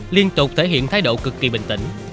liên tục thể hiện thái độ cực kỳ bình tĩnh